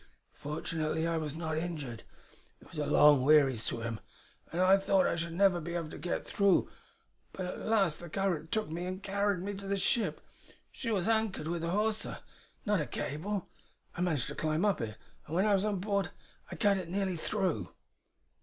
Fortunately I was not injured. It was a long, weary swim, and I thought I should never be able to get through; but at last the current took me and carried me to the ship. She was anchored with a hawser, not a cable. I managed to climb up it; and when I was on board I cut it nearly through."